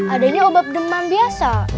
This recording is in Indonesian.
ada ini obat demam biasa